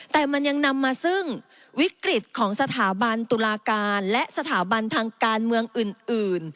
แต่มันยังนำมาซึ่งวิกฤตของสถาบันตุลาการและสถาบันทางการเมืองอื่น